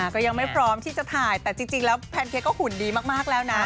ก็ยังไม่พร้อมที่จะถ่ายแต่จริงแล้วแพนเค้กก็หุ่นดีมากแล้วนะ